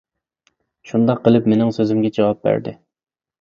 شۇنداق قىلىپ مېنىڭ سۆزۈمگە جاۋاب بەردى.